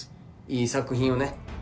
いい作品をね